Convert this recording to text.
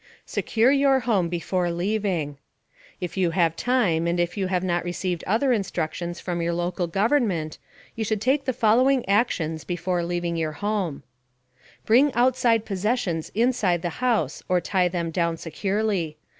* SECURE YOUR HOME BEFORE LEAVING. If you have time, and if you have not received other instructions from your local government, you should take the following actions before leaving your home: Bring outside possessions inside the house, or tie them down securely.